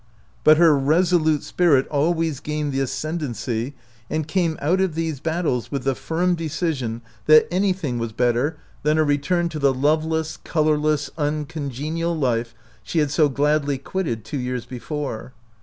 But her resolute spirit always gained the ascendancy and came out of these battles with the firm decision that 5i OUT OF BOHEMIA anything was better than a return to the loveless, colorless, uncongenial life she had so gladly quitted two years before.